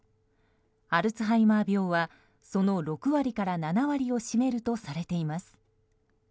アルツハイマー病はその６割から７割を占めるとされています。